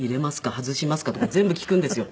外しますか？」とか全部聞くんですよ。